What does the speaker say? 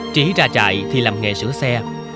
trí ra trại thì làm nghề sửa xe